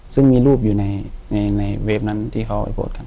ซึ่งมีรูปอยู่ในเว็บนั้นที่เขาไปโพสต์กัน